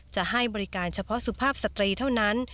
จะให้บริการเฉพาะสุภาพสตรีเท่านั้น